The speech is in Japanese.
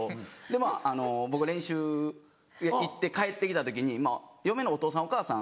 まぁ僕が練習行って帰って来た時に嫁のお父さんお母さん